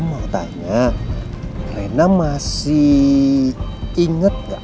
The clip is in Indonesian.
om mau tanya rena masih ingat gak